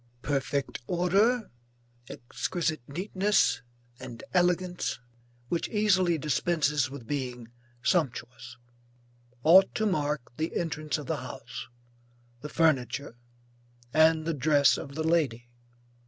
Perfect order, exquisite neatness and elegance which easily dispenses with being sumptuous, ought to mark the entrance of the house, the furniture and the dress of the lady.